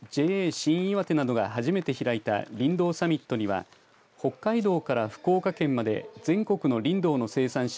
新いわてなどが初めて開いたりんどうサミットには北海道から福岡県まで全国のリンドウの生産者